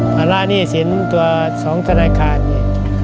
ภาระหนี้สินตัว๒ธนาคารนี่